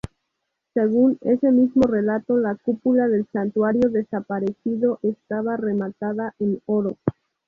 Según ese mismo relato, la cúpula del santuario desaparecido estaba rematada en oro.